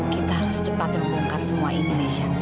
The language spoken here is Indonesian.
kita harus cepat membongkar semua ini aisyah